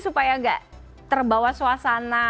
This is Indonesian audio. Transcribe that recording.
supaya tidak terbawa suasana